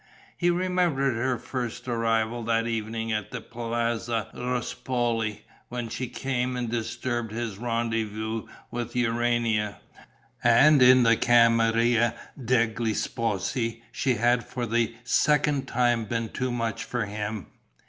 He remembered her first arrival that evening at the Palazzo Ruspoli, when she came and disturbed his rendez vous with Urania. And in the camera degli sposi she had for the second time been too much for him!